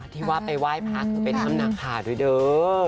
ที่ว่าไปไหว้ผาคือไปทำหนังผ่าด้วยด้วย